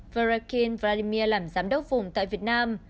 verakyn vladimir làm giám đốc vùng tại việt nam